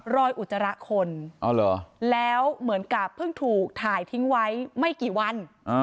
อุจจาระคนแล้วเหมือนกับเพิ่งถูกถ่ายทิ้งไว้ไม่กี่วัน